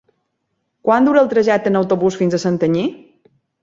Quant dura el trajecte en autobús fins a Santanyí?